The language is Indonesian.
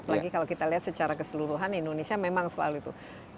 apalagi kalau kita lihat secara keseluruhan indonesia memang selalu itu